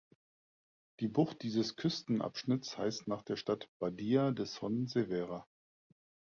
Die Bucht dieses Küstenabschnitts heißt nach der Stadt "Badia de Son Servera".